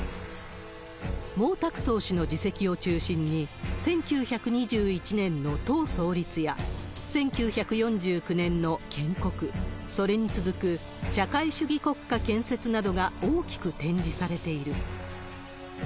毛沢東氏の事績を中心に、１９２１年の党創立や、１９４９年の建国、それに続く社会主義国家建設などが大きく展示されている。